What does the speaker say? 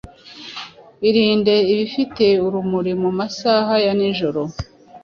Irinde ibifite urumuri mu masaha ya nijoro.